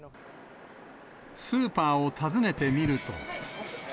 スーパーを訪ねてみると。